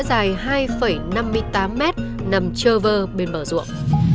ngoài ra cây dài chỉa dài hai năm mươi tám m nằm chơ vơ bên bờ ruộng